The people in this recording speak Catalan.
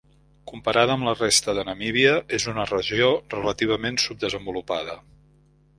Comparada amb la resta de Namíbia, és una regió relativament subdesenvolupada.